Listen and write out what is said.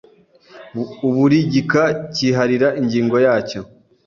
uburi gika kiharira ingingo yacyo,